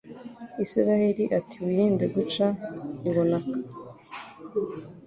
isirayeli ati wirinde guca ibunaka